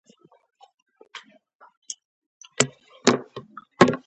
ډرامه باید رڼا خپره کړي